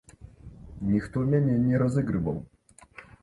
Ніхто мяне не разыгрываў.